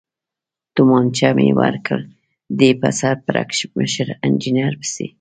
تومانچه مې ورکړل، دی په سر پړکمشر انجنیر پسې.